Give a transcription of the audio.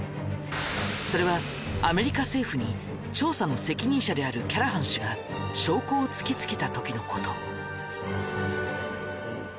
それはアメリカ政府に調査の責任者であるキャラハン氏が証拠を突きつけたときのこと。